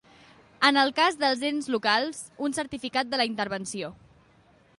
En el cas dels ens locals, un certificat de la Intervenció.